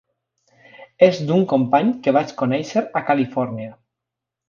És d'un company que vaig conèixer a Califòrnia.